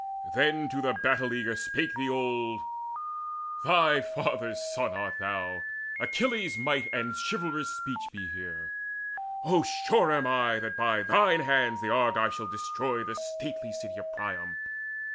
Then to the battle eager spake the old: "Thy father's son art thou! Achilles' might And chivalrous speech be here! O, sure am I That by thine hands the Argives shall destroy The stately city of Priam.